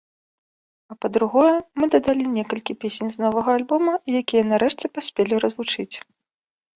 А па-другое, мы дадалі некалькі песень з новага альбома, якія нарэшце паспелі развучыць.